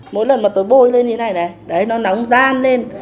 mỗi lần mà tôi bôi lên như thế này này đấy nó nóng gian lên